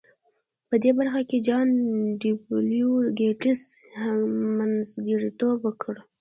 په دې برخه کې جان ډبلیو ګیټس منځګړیتوب وکړ